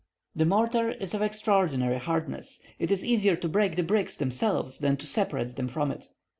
The mortar is of extraordinary hardness; it is easier to break the bricks themselves, than to separate them from it.